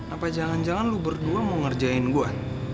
apa jangan jangan lu berdua mau ngerjain gue